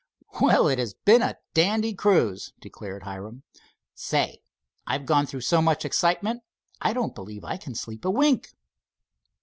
"Well, it has been a dandy cruise," declared Hiram. "Say, I've gone through so much excitement I don't believe I can sleep a wink."